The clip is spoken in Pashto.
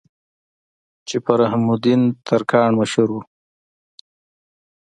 چې پۀ رحم الدين ترکاڼ مشهور وو